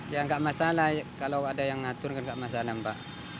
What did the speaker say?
ya nggak masalah kalau ada yang ngatur kan nggak masalah mbak